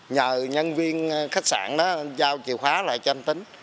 nhờ nhân viên khách sạn đó giao chìa khóa lại cho anh tính